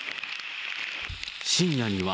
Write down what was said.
深夜には。